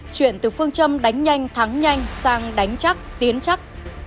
chuyển từ phương châm đánh nhanh thắng nhanh sang đánh chắc tiến chắc